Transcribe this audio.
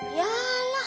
soalin banget sih